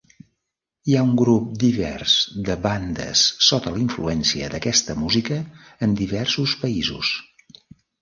Hi ha un grup divers de bandes sota la influència d'aquesta música en diversos països.